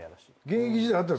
現役時代あった？